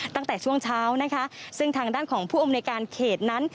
ตั้งแต่ช่วงเช้านะคะซึ่งทางด้านของผู้อำนวยการเขตนั้น